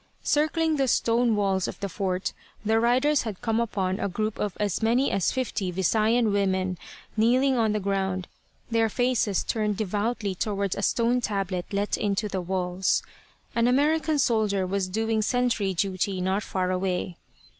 Circling the stone walls of the fort the riders had come upon a group of as many as fifty Visayan women kneeling on the ground, their faces turned devoutly toward a stone tablet let into the walls. An American soldier was doing sentry duty not far away.